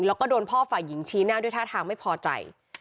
แล้วก็โดนพ่อฝ่ายหญิงชี้หน้าด้วยท่าทางไม่พอใจ